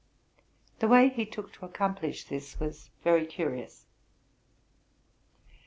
The way he took to accomplish this was very curious.